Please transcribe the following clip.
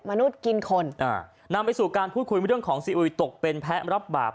มนุษย์กินคนอ่านำไปสู่การพูดคุยเรื่องของซีอุยตกเป็นแพ้รับบาป